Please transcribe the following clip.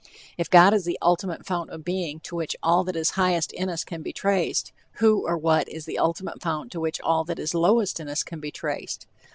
If God is the "ultimate fount of being to which all that is highest in us can be traced," who or what is the ultimate fount to which all that is lowest in us can be traced?